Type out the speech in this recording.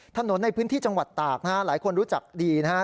ถนนในพื้นที่จังหวัดตากนะฮะหลายคนรู้จักดีนะฮะ